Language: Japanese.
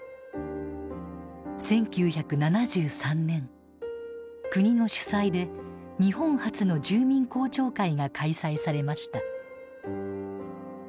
１９７３年国の主催で日本初の住民公聴会が開催されました。